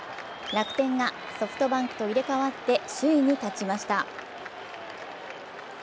楽天がソフトバンクと入れ代わって首位に立ちました。